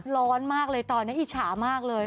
ร้อนมากเลยตอนนี้อิจฉามากเลย